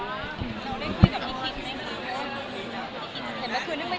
แล้วได้คุยกับพี่คิดอย่างงี้